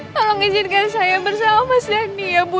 tolong izinkan saya bersama mas dhani ya bu